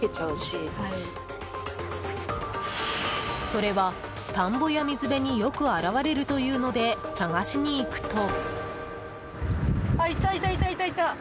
それは、田んぼや水辺によく現れるというので探しに行くと。